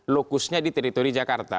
locusnya di teritori jakarta